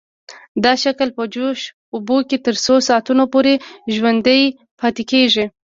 دا شکل په جوش اوبو کې تر څو ساعتونو پورې ژوندی پاتې کیږي.